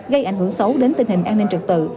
gây ảnh hưởng xấu đến tình hình an ninh trật tự